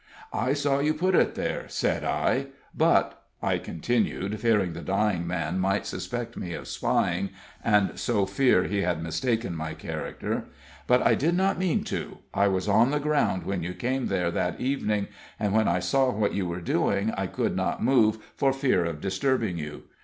"I saw you put it there," said I. "But," I continued, fearing the dying man might suspect me of spying, and so fear he had mistaken my character "but I did not mean to I was on the ground when you came there that evening; and when I saw what you were doing, I could not move for fear of disturbing you.